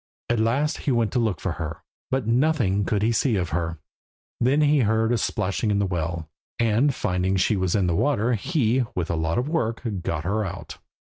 At last he went to look for her, but nothing could he see of her. Then he heard a splashing in the well, and finding she was in the water, he, with a lot of work, got her out.